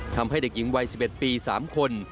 ทำให้เด็กหญิงวัย๑๑ปี๓คน